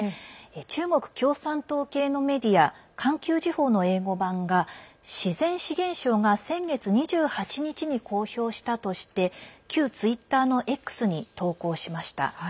中国共産党系のメディア環球時報の英語版が自然資源省が先月２８日に公表したとして旧ツイッターのＸに投稿しました。